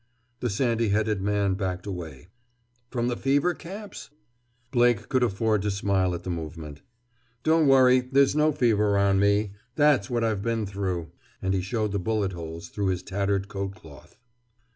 The sandy headed man backed away. "From the fever camps?" Blake could afford to smile at the movement. "Don't worry—there's no fever 'round me. That's what I've been through!" And he showed the bullet holes through his tattered coat cloth.